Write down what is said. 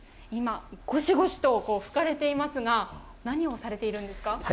今、ごしごしと拭かれていますが、何をされているんですか？